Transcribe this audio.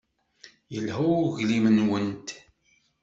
Yelha uglim-nwent.